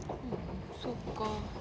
そっか。